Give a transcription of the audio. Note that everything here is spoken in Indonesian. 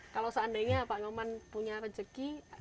kalau seandainya pak nyoman punya rezeki